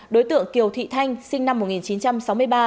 đối tượng kiều thị thanh sinh năm một nghìn chín trăm sáu mươi ba